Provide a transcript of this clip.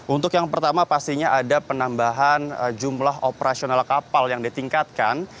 untuk yang pertama pastinya ada penambahan jumlah operasional kapal yang ditingkatkan